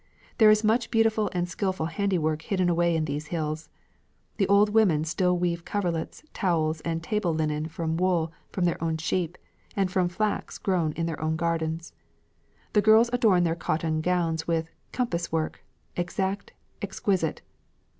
There is much beautiful and skilful handiwork hidden away in these hills. The old women still weave coverlets, towels, and table linen from wool from their own sheep and from flax grown in their own gardens. The girls adorn their cotton gowns with 'compass work,' exact, exquisite.